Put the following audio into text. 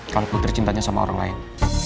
kalau putri cintanya sama orang lain